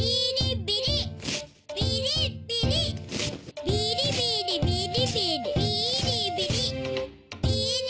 ビリビリビリビリビーリビリ。